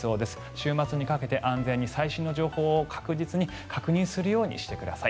週末にかけて安全に、最新の情報を確実に確認するようにしてください。